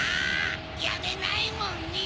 やめないもんね！